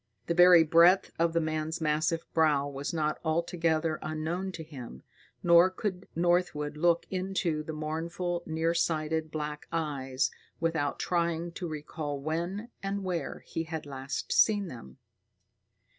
The very breadth of the man's massive brow was not altogether unknown to him, nor could Northwood look into the mournful, near sighted black eyes without trying to recall when and where he had last seen them.